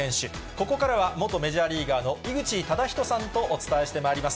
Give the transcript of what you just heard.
ここからは、元メジャーリーガーの井口資仁さんとお伝えしてまいります。